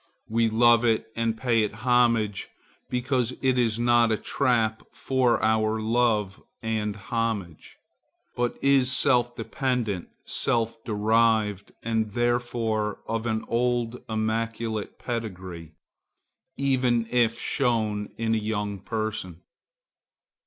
We love it and pay it homage because it is not a trap for our love and homage, but is self dependent, self derived, and therefore of an old immaculate pedigree, even if shown in a young person.